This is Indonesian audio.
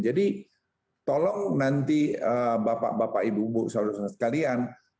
jadi tolong nanti bapak bapak ibu ibu saudara saudara sekalian